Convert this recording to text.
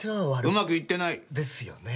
うまくいってない。ですよね。